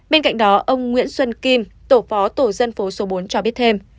bên cạnh đó ông nguyễn xuân kim tổ phó tổ dân phố số bốn cho biết thêm